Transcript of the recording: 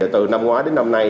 từ năm ngoái đến năm nay